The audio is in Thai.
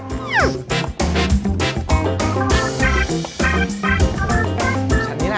ขอบคุณครับ